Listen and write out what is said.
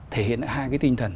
thể hiện lại hai cái tinh thần